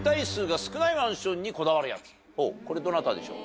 これどなたでしょう？